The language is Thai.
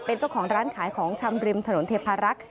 เป็นเจ้าของร้านขายของชำริมถนนเทพารักษ์